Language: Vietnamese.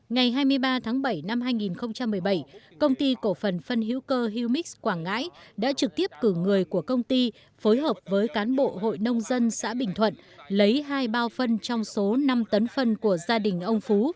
ngày hai mươi ba tháng bảy năm hai nghìn một mươi bảy công ty cổ phần phân hữu cơ hunix quảng ngãi đã trực tiếp cử người của công ty phối hợp với cán bộ hội nông dân xã bình thuận lấy hai bao phân trong số năm tấn phân của gia đình ông phú